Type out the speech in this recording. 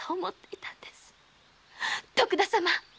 徳田様。